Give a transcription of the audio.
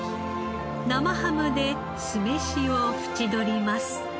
生ハムで酢飯を縁取ります。